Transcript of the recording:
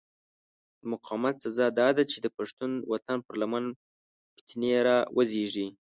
د مقاومت سزا داده چې د پښتون وطن پر لمن فتنې را وزېږي.